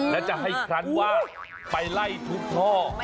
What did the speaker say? และจะให้ครั้นว่าไปไล่ทุบท่อ